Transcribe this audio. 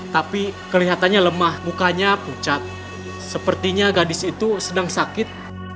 tapi kelihatannya lemah mukanya pucat sepertinya gadis itu sedang sakit